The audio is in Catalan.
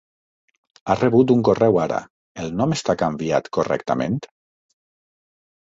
Ha rebut un correu ara, el nom està canviat correctament?